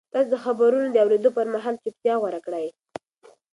تاسو د خبرونو د اورېدو پر مهال چوپتیا غوره کړئ.